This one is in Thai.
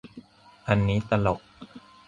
อันนี้ตลก